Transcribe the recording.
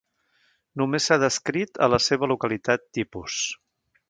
Només s'ha descrit a la seva localitat tipus.